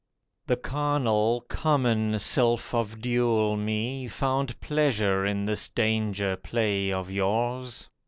The carnal, common self of dual me Found pleasure in this danger play of yours.